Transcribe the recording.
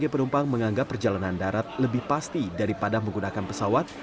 penumpang menganggap perjalanan darat lebih pasti daripada menggunakan pesawat